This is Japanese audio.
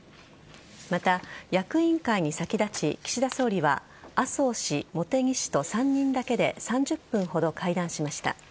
また、役員会に先立ち岸田総理は麻生氏、茂木氏と３人だけで３０分ほど会談しました。